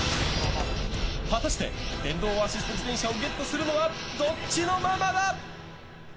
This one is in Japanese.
果たして、電動アシスト自転車をゲットするのはどっちのママだ！